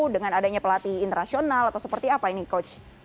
dengan adanya pelatih internasional atau seperti apa ini coach